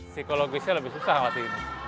psikologisnya lebih susah masih ini